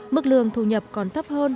mức lương thu nhập còn thấp hơn